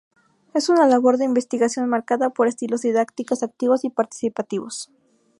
Es una labor de investigación marcada por estilos didácticos activos y participativos.